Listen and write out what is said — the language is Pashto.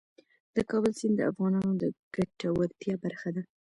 د کابل سیند د افغانانو د ګټورتیا برخه ده.